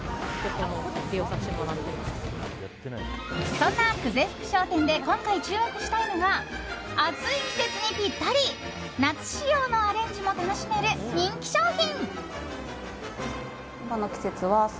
そんな久世福商店で今回注目したいのが暑い季節にピッタリ夏仕様のアレンジも楽しめる人気商品。